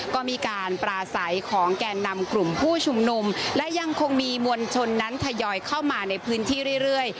ก็มีการปราศัยของแก่นำกลุ่มผู้ชุมนุมและยังคงมีมวลชนนั้นทยอยเข้ามาในพื้นที่เรื่อย